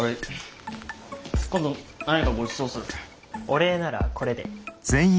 お礼ならこれで。